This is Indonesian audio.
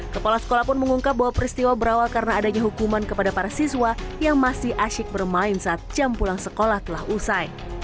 kepala sekolah pun mengungkap bahwa peristiwa berawal karena adanya hukuman kepada para siswa yang masih asyik bermain saat jam pulang sekolah telah usai